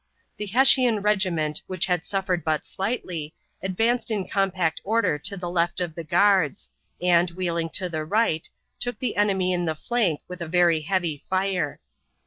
The Hessian regiment, which had suffered but slightly, advanced in compact order to the left of the guards, and, wheeling to the right, took the enemy in the flank with a very heavy fire.